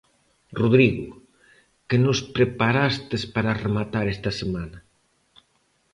Rodrigo, que nos preparastes para rematar esta semana?